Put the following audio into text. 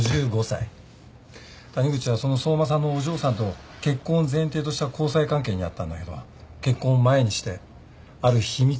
谷口はその相馬さんのお嬢さんと結婚を前提とした交際関係にあったんだけど結婚を前にしてある秘密が明るみになった。